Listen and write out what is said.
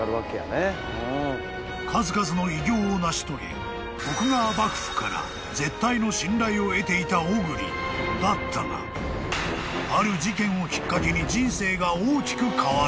［数々の偉業を成し遂げ徳川幕府から絶対の信頼を得ていた小栗だったがある事件をきっかけに人生が大きく変わる］